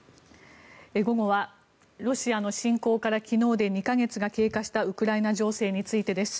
午後はロシアの侵攻から昨日で２か月が経過したウクライナ情勢についてです。